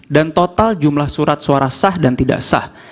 dan total jumlah surat suara sah dan tidak sah